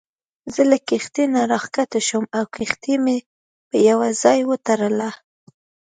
زه له کښتۍ نه راکښته شوم او کښتۍ مې په یوه ځای وتړله.